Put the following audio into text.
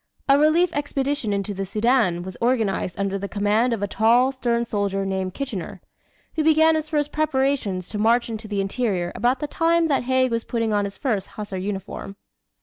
A relief expedition into the Soudan was organized under the command of a tall, stern soldier named Kitchener, who began his first preparations to march into the interior about the time that Haig was putting on his first Hussar uniform.